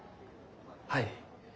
はい。